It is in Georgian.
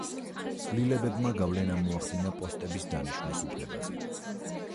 ცვლილებებმა გავლენა მოახდინა პოსტების დანიშვნის უფლებაზე.